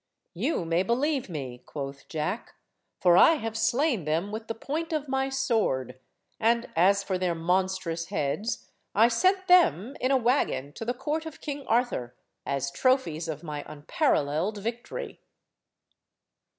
"You may believe me," quoth Jack, "for I have slain them with the point of my sword, and as for their monstrous heads, I sent them in a wagon to the court of King Arthur as trophies of my unparalleled victory."